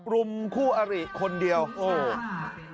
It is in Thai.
ลุรุมคู่อาริคนเดียวอ๋อใช่ค่ะ